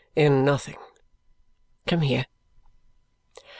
"In nothing. Come here."